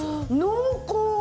濃厚！